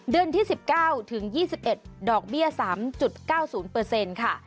เดือน๑๙๒๑ดอกเบี้ย๓๙๐ค่ะ